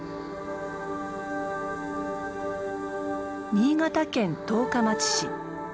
新潟県十日町市。